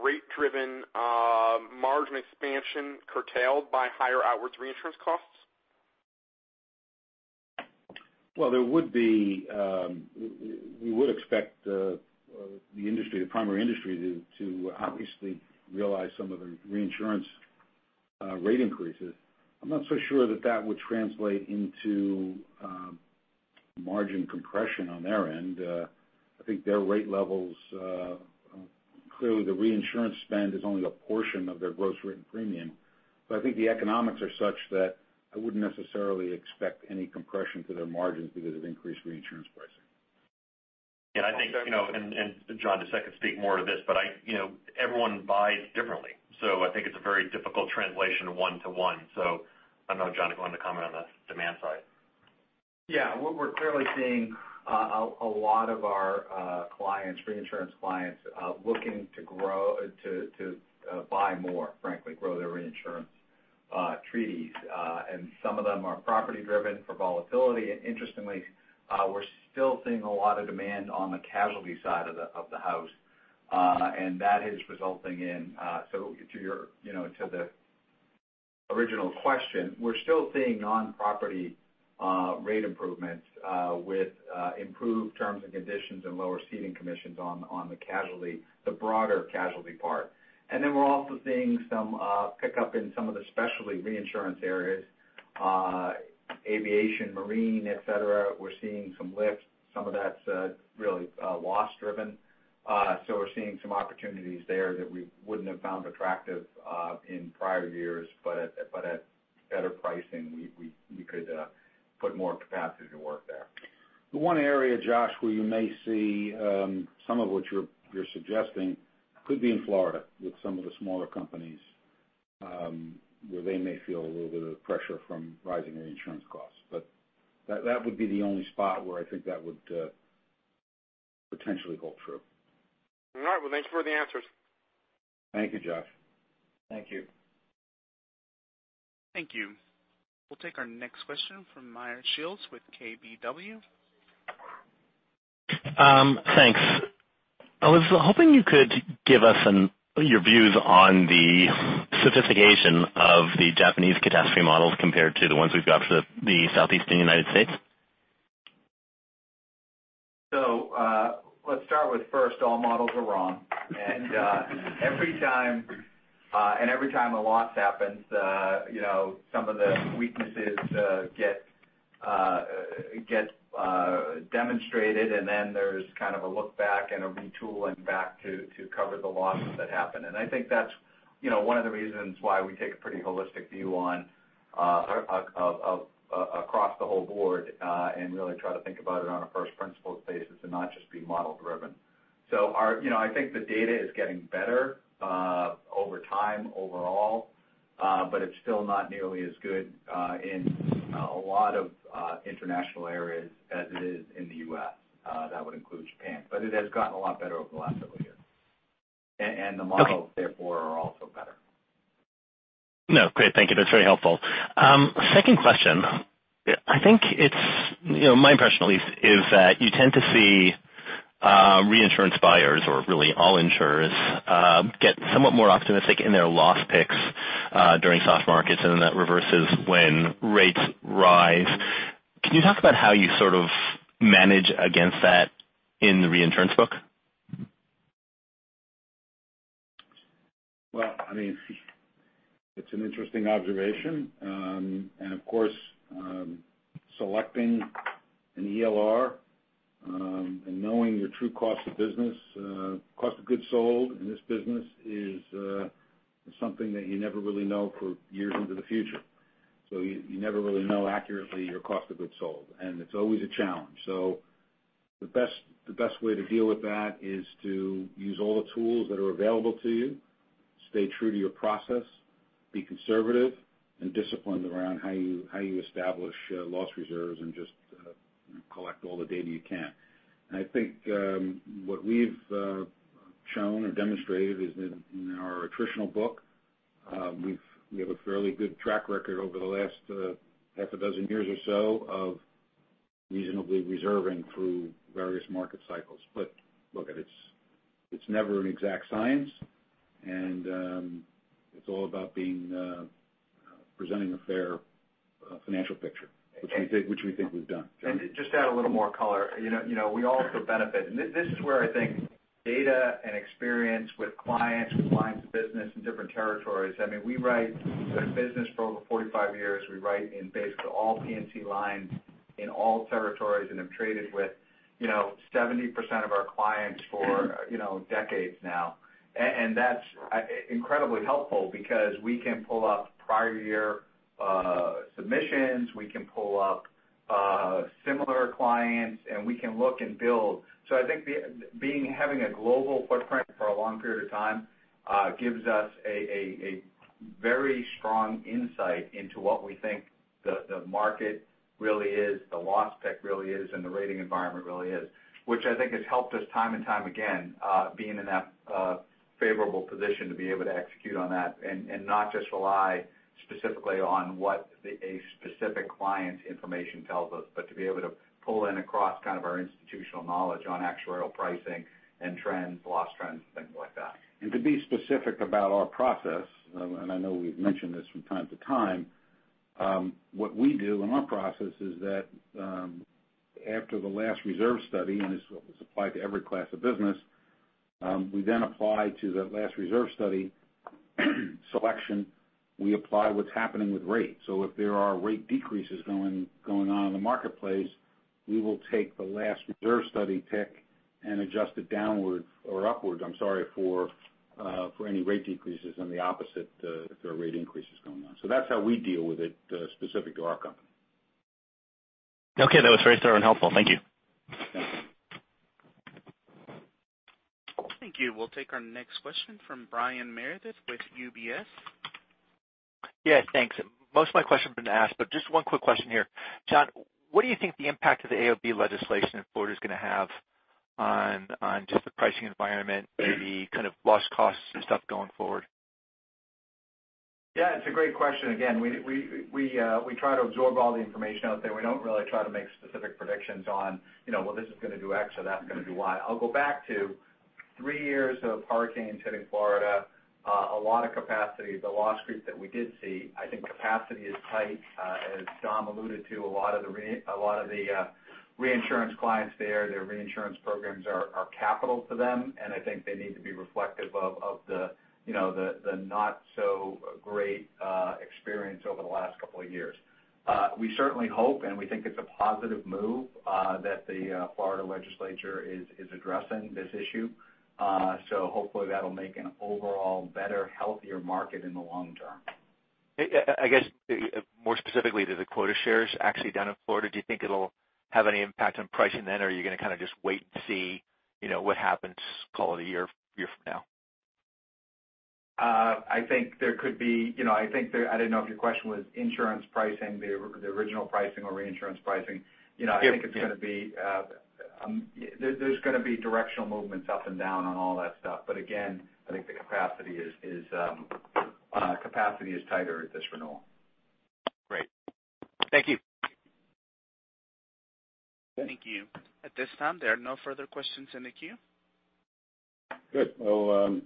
rate-driven margin expansion curtailed by higher outwards reinsurance costs? Well, we would expect the primary industry to obviously realize some of the reinsurance rate increases. I'm not so sure that that would translate into margin compression on their end. I think their rate levels, clearly the reinsurance spend is only a portion of their gross written premium. I think the economics are such that I wouldn't necessarily expect any compression to their margins because of increased reinsurance pricing. I think, and John, to second speak more to this, but everyone buys differently. I think it's a very difficult translation one to one. I don't know, John, if you want to comment on the demand side. Yeah. What we're clearly seeing a lot of our reinsurance clients looking to buy more, frankly, grow their reinsurance treaties. Some of them are property driven for volatility. Interestingly, we're still seeing a lot of demand on the casualty side of the house. That is resulting in, to the original question, we're still seeing non-property rate improvements with improved terms and conditions and lower ceding commissions on the broader casualty part. Then we're also seeing some pickup in some of the specialty reinsurance areas, aviation, marine, et cetera. We're seeing some lift. Some of that's really loss driven. We're seeing some opportunities there that we wouldn't have found attractive in prior years, but at better pricing, we could put more capacity to work there. The one area, Josh, where you may see some of what you're suggesting could be in Florida with some of the smaller companies, where they may feel a little bit of pressure from rising reinsurance costs. That would be the only spot where I think that would potentially hold true. All right. Well, thanks for the answers. Thank you, Josh. Thank you. Thank you. We'll take our next question from Meyer Shields with KBW. Thanks. I was hoping you could give us your views on the sophistication of the Japanese catastrophe models compared to the ones we've got for the Southeastern United States. Let's start with first, all models are wrong. Every time a loss happens some of the weaknesses get demonstrated, and then there's kind of a look back and a retool and back to cover the losses that happen. I think that's one of the reasons why we take a pretty holistic view across the whole board, and really try to think about it on a first principles basis and not just be model driven. I think the data is getting better over time overall. It's still not nearly as good in a lot of international areas as it is in the U.S. That would include Japan. It has gotten a lot better over the last several years. The models- Okay are also better. No, great. Thank you. That's very helpful. Second question. My impression at least is that you tend to see reinsurance buyers or really all insurers get somewhat more optimistic in their loss picks during soft markets, then that reverses when rates rise. Can you talk about how you sort of manage against that in the reinsurance book? Well, it's an interesting observation. Of course, selecting an ELR, and knowing your true cost of business, cost of goods sold in this business is something that you never really know for years into the future. You never really know accurately your cost of goods sold, and it's always a challenge. The best way to deal with that is to use all the tools that are available to you, stay true to your process, be conservative and disciplined around how you establish loss reserves, and just collect all the data you can. I think what we've shown or demonstrated is in our attritional book, we have a fairly good track record over the last half a dozen years or so of reasonably reserving through various market cycles. Look, it's never an exact science, and it's all about presenting a fair financial picture, which we think we've done. John? To just add a little more color. We also benefit. This is where I think data and experience with clients, with lines of business in different territories, we've been in business for over 45 years. We write in basically all P&C lines in all territories and have traded with 70% of our clients for decades now. That's incredibly helpful because we can pull up prior year submissions, we can pull up similar clients, and we can look and build. I think having a global footprint for a long period of time gives us a very strong insight into what we think the market really is, the loss pick really is, and the rating environment really is. I think has helped us time and time again being in that favorable position to be able to execute on that and not just rely specifically on what a specific client's information tells us, but to be able to pull in across our institutional knowledge on actuarial pricing and trends, loss trends, and things like that. To be specific about our process, and I know we've mentioned this from time to time, what we do in our process is that after the last reserve study, and this will apply to every class of business, we then apply to the last reserve study selection. We apply what's happening with rates. If there are rate decreases going on in the marketplace, we will take the last reserve study pick and adjust it downward or upward, I'm sorry, for any rate decreases and the opposite if there are rate increases going on. That's how we deal with it specific to our company. Okay. That was very thorough and helpful. Thank you. Yeah. Thank you. We'll take our next question from Brian Meredith with UBS. Yeah, thanks. Just one quick question here. John, what do you think the impact of the AOB legislation in Florida is going to have on just the pricing environment, maybe kind of loss costs and stuff going forward? Yeah, it's a great question. Again, we try to absorb all the information out there. We don't really try to make specific predictions on, well, this is going to do X or that's going to do Y. I'll go back to three years of hurricanes hitting Florida. A lot of capacity, the loss creep that we did see, I think capacity is tight. As Dom alluded to, a lot of the reinsurance clients there, their reinsurance programs are capital to them, and I think they need to be reflective of the not so great experience over the last couple of years. We certainly hope, and we think it's a positive move that the Florida legislature is addressing this issue. Hopefully that'll make an overall better, healthier market in the long term. I guess more specifically to the quota shares actually down in Florida, do you think it'll have any impact on pricing then? Are you going to kind of just wait and see what happens, call it a year from now? I think there could be. I didn't know if your question was insurance pricing, the original pricing or reinsurance pricing. Yeah. There's going to be directional movements up and down on all that stuff. Again, I think the capacity is tighter at this renewal. Great. Thank you. Thank you. At this time, there are no further questions in the queue. Good. Well,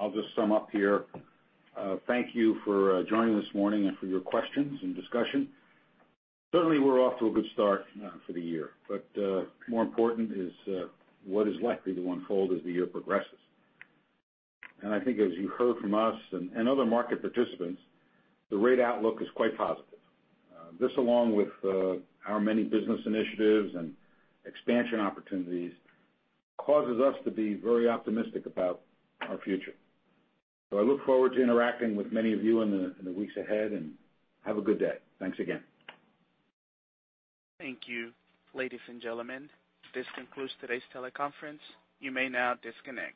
I'll just sum up here. Thank you for joining this morning and for your questions and discussion. Certainly, we're off to a good start for the year, but more important is what is likely to unfold as the year progresses. I think as you heard from us and other market participants, the rate outlook is quite positive. This, along with our many business initiatives and expansion opportunities, causes us to be very optimistic about our future. I look forward to interacting with many of you in the weeks ahead, and have a good day. Thanks again. Thank you, ladies and gentlemen. This concludes today's teleconference. You may now disconnect.